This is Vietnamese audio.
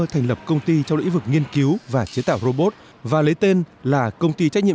thành lập công ty trong lĩnh vực nghiên cứu và chế tạo robot và lấy tên là công ty trách nhiệm